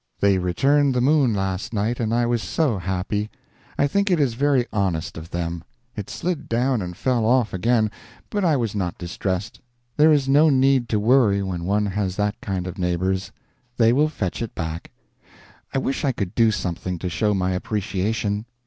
They returned the moon last night, and I was_ so_ happy! I think it is very honest of them. It slid down and fell off again, but I was not distressed; there is no need to worry when one has that kind of neighbors; they will fetch it back. I wish I could do something to show my appreciation.